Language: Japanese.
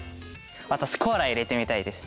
私コーラ入れてみたいです。